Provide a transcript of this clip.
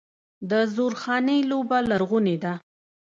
د زورخانې لوبه لرغونې ده.